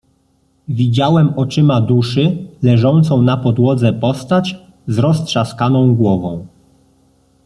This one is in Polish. "Widziałem oczyma duszy leżącą na podłodze postać z roztrzaskaną głową."